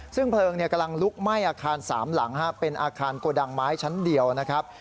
ซึ่งเพลิงกำลังลุกไหม้อาคาร๓หลังเป็นอาคารโกดังไม้ชั้นเดียวนะครับ